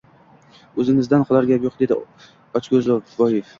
O`zingizdan qolar gap yo`q, dedi Ochko`zboev